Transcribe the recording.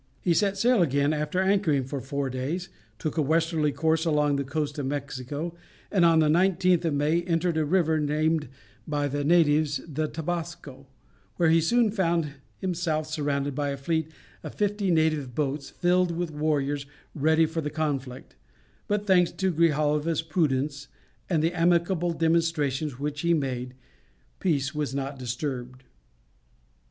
He set sail again after anchoring for four days, took a westerly course along the coast of Mexico, and on the 19th of May entered a river named by the natives the Tabasco, where he soon found himself surrounded by a fleet of fifty native boats filled with warriors ready for the conflict, but thanks to Grijalva's prudence and the amicable demonstrations which he made, peace was not disturbed.